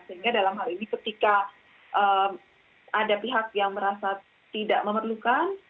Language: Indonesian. sehingga dalam hal ini ketika ada pihak yang merasa tidak memerlukan